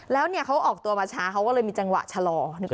แล้วเนี่ยเขาออกตัวมาช้าเขาก็เลยมีจังหวะชะลอ